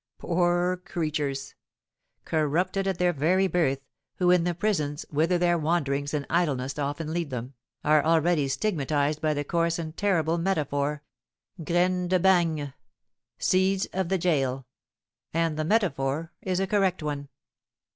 Poor creatures! Corrupted at their very birth, who in the prisons, whither their wanderings and idleness often lead them, are already stigmatised by the coarse and terrible metaphor, "Graines de Bagne" (Seeds of the Gaol)! and the metaphor is a correct one.